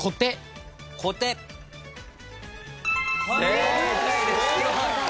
正解です！